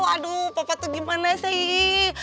aduh papa tuh gimana sih